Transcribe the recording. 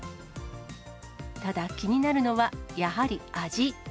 ただ気になるのは、やはり味。